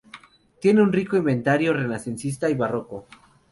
Tiene un rico inventario renacentista y barroco.